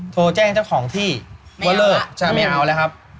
โทรแจ้งเจ้าของที่ว่าเลิกใช่ไม่เอาแล้วครับ